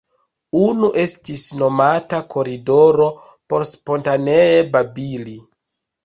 Unu estis nomata “Koridoro” por spontanee babili.